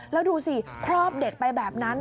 แล้วดูสิครอบเด็กไปแบบนั้น